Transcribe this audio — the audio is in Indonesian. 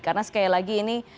karena sekali lagi ini